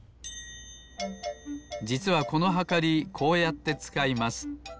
じつはこのはかりこうやってつかいます。